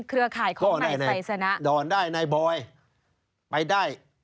ก็ได้ด่อนได้ไไป๊ะ